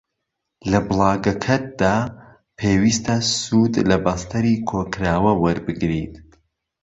لە بڵاگەکەتدا پێویستە سوود لە بەستەری کۆکراوە وەربگریت